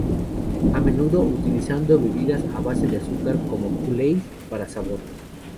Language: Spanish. A menudo utilizando bebidas a base de azúcar como Kool-Aid para sabor.